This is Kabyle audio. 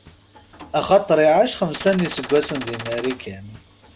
Axaṭer iɛac xemsa n iseggasen di Marikan.